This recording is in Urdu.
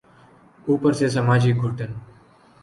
اوپر سے سماجی گھٹن۔